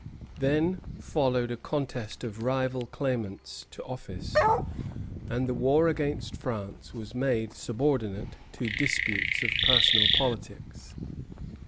Then, followed a contest of rival claimants to office; and the war against France was made subordinate to disputes of personal politics.